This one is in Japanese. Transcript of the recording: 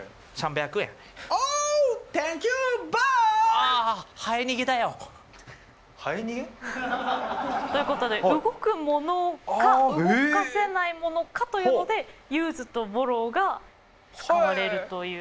ああ！ということで動くものか動かせないものかというので「ｕｓｅ」と「ｂｏｒｒｏｗ」が使われるという。